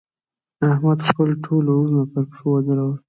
احمد؛ خپل ټول وروڼه پر پښو ودرول.